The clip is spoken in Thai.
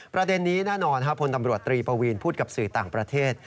ประเด็นนี้แน่นอนพลตำรวจตรีปวีนพูดกับสื่อต่างประเทศ